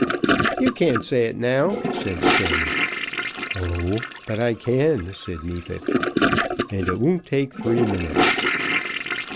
"You can't say it now," said Stemm. "Oh, but I can," said Neefit, "and it won't take three minutes."